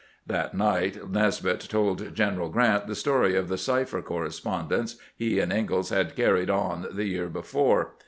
That night Nes'mith told General Grant the story of the cipher correspondence he and Ingalls had carried on the year before.